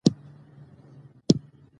ایا د مې میاشت د درویش دراني په نوم ده؟